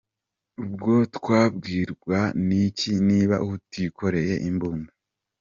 Ubwo twabwirwa n’iki niba utikoreye imbunda?’’